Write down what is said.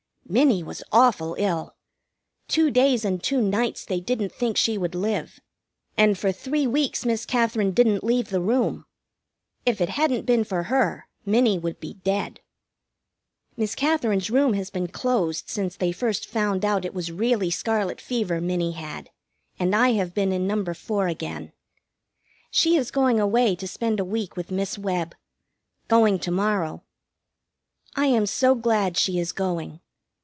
Minnie was awful ill. Two days and two nights they didn't think she would live, and for three weeks Miss Katherine didn't leave the room. If it hadn't been for her Minnie would be dead. Miss Katherine's room has been closed since they first found out it was really scarlet fever Minnie had, and I have been in No. 4 again. She is going away to spend a week with Miss Webb. Going to morrow. I am so glad she is going.